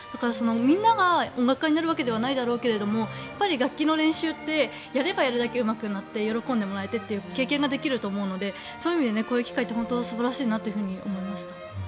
みんなが音楽家になるわけではないだろうけども楽器の練習ってやればやるだけうまくなって喜んでもらえてという経験ができると思うのでそういう意味でこういう機会って素晴らしいなと思いました。